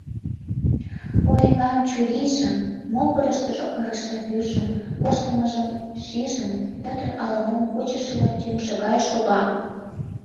Оринан чурийжым, могырыштыжо ырыше вӱржын коштмыжым шижын, Пӧтыр, ала-мом вучышыла, тӱҥшӧ гай шога.